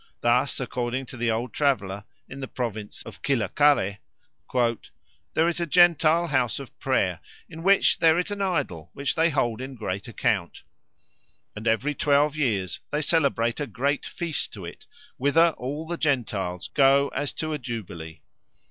Thus, according to an old traveller, in the province of Quilacare, "there is a Gentile house of prayer, in which there is an idol which they hold in great account, and every twelve years they celebrate a great feast to it, whither all the Gentiles go as to a jubilee.